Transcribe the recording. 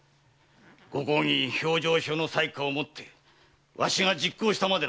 御公儀評定所の裁可をもってわしが実行したまでのこと。